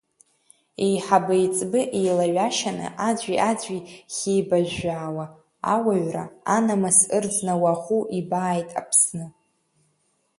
Еиҳаби еиҵби еилаҩашьаны, аӡәи-аӡәи хьибажәжәаауа, ауаҩра, анамыс ырӡны уаӷоу ибааит Аԥсны.